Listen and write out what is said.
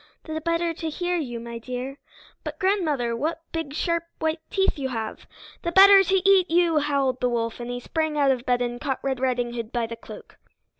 "The better to hear you, my dear!" "But, grandmother, what big sharp white teeth you have!" "+The better to eat you!+" howled the wolf, and he sprang out of bed and caught Red Riding Hood by the cloak.